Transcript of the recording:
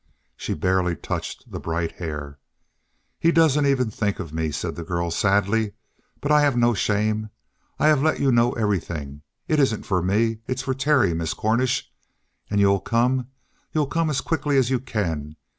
She barely touched the bright hair. "He doesn't even think of me," said the girl sadly. "But I have no shame. I have let you know everything. It isn't for me. It's for Terry, Miss Cornish. And you'll come? You'll come as quickly as you can?